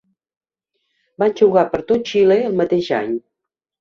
Van jugar per tot Xile el mateix any.